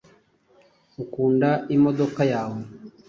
Ukunda imodoka yawe?